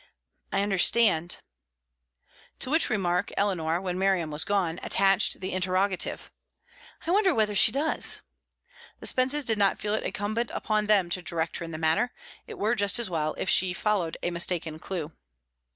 "I understand." To which remark Eleanor, when Miriam was gone, attached the interrogative, "I wonder whether she does?" The Spences did not feel it incumbent upon them to direct her in the matter; it were just as well if she followed a mistaken clue.